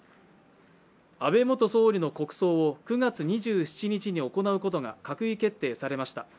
安倍元総理の国葬を９月２７日に行うことが閣議決定されました。